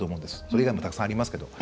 それ以外もたくさんありますけど。